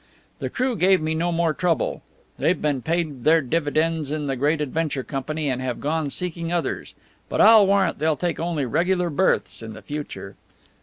The crew gave me no more trouble. They've been paid their dividends in the Great Adventure Company, and have gone seeking others. But I'll warrant they'll take only regular berths in the future.